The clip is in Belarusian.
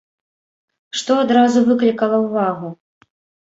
Што адразу выклікала ўвагу?